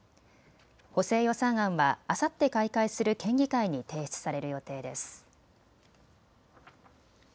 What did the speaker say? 補正予算案はあさって開会する県議会に提出される予定です。